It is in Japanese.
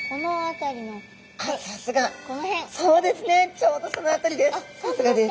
ちょうどその辺りです。